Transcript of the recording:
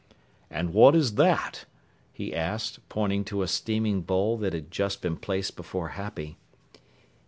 "And what is that?" he asked, pointing to a steaming bowl that had just been placed before Happy.